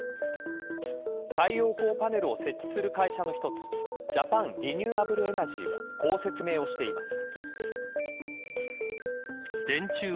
太陽光パネルを設置する会社の一つジャパン・リニューアブル・エナジーはこう、説明をしています。